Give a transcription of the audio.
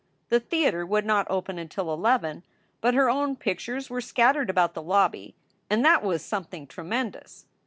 The theater would not open until eleven, but her own pictures were scattered about the lobby. And that was something tremendous.